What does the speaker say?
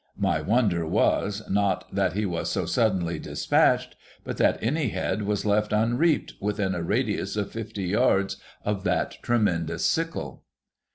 My wonder was, not that he was so suddenly despatched, but that any head was left unreaped, within a radius of fifty yards of that tremendous sickle.